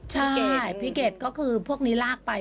พี่เกดพี่เกดก็คือพวกนี้ลากไป